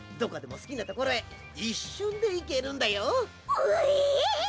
うえ！